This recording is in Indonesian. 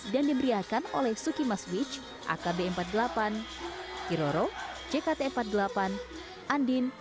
diberiakan oleh suki maswitch akb empat puluh delapan kiroro jkt empat puluh delapan andin